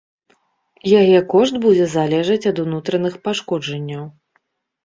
Яе кошт будзе залежаць ад унутраных пашкоджанняў.